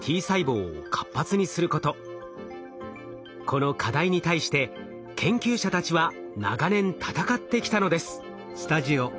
この課題に対して研究者たちは長年闘ってきたのです。